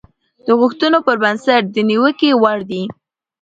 د غوښتنو پر بنسټ د نيوکې وړ دي.